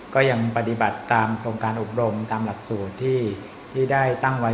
ก็ยังปฏิบัติตามโครงการอบรมตามหลักสูตรที่ได้ตั้งไว้